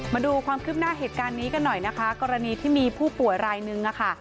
มาดูความคืบหน้าเหตุการณ์นี้กันหน่อยนะคะกรณีที่มีผู้ป่วยรายนึงอะค่ะ